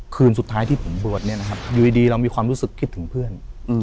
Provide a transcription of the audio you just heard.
คืนสุดท้ายที่ผมบวชเนี่ยนะครับอยู่ดีเรามีความรู้สึกคิดถึงเพื่อน